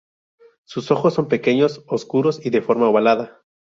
Sus ojos son pequeños, oscuros y de forma ovalada.